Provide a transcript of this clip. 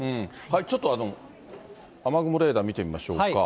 ちょっと雨雲レーダー見てみましょうか。